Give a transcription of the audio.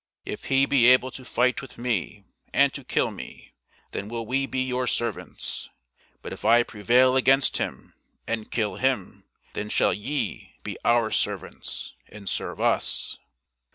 If he be able to fight with me, and to kill me, then will we be your servants: but if I prevail against him, and kill him, then shall ye be our servants, and serve us.